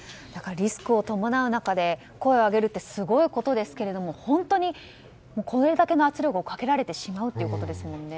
リスクを伴う中で声を上げるってすごいことですけど本当にこれだけの圧力をかけられてしまうということですよね。